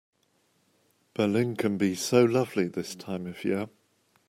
Berlin can be so lovely this time of year.